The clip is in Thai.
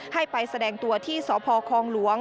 ให้ไปแสดงตัวที่สคล